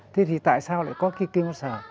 thế thì tại sao lại có cái kim quang sở